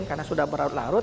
karena sudah berlarut larut